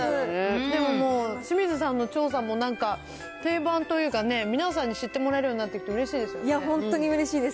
でももう、清水さんの調査もなんか、定番というかね、皆さんに知ってもらえるようになってきて、うれいや、本当にうれしいです。